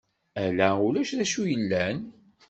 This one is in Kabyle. Ala ulac d acu yellan.